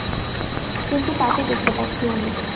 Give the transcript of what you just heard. কিন্তু তাকে দেখতে পাচ্ছি আমি।